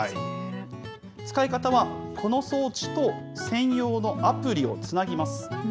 使い方は、この装置と専用のアプリをつなぎます。